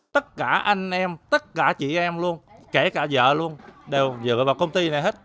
tất cả anh em tất cả chị em luôn kể cả vợ luôn đều dựa vào vào công ty này hết